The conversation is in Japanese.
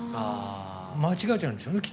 間違えちゃうんでしょうね。